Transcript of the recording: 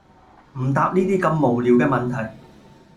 唔答呢啲咁無聊嘅問題